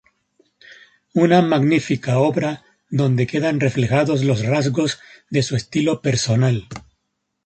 Una magnífica obra donde quedan reflejados los rasgos de su estilo personal.